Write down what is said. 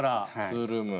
ツールーム。